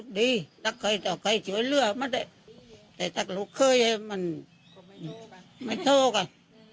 ส่วนดีแล้วเคยช่วยเลือกไม่ได้แต่สักลูกเขยมันไม่โทษกัน